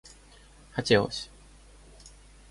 хотелось